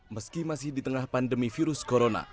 meski masih di tengah pandemi virus corona